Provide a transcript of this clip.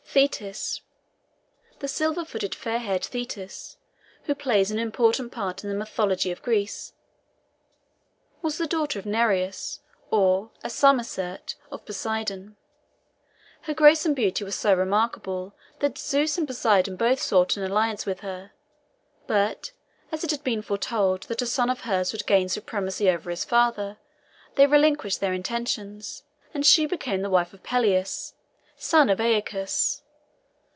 THETIS. The silver footed, fair haired Thetis, who plays an important part in the mythology of Greece, was the daughter of Nereus, or, as some assert, of Poseidon. Her grace and beauty were so remarkable that Zeus and Poseidon both sought an alliance with her; but, as it had been foretold that a son of hers would gain supremacy over his father, they relinquished their intentions, and she became the wife of Peleus, son of Æacus.